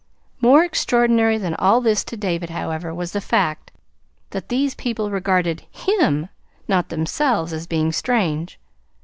More extraordinary than all this to David, however, was the fact that these people regarded HIM, not themselves, as being strange.